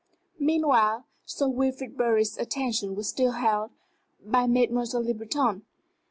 Meanwhile Sir Wilfrid Bury's attention was still held by Mademoiselle Le Breton.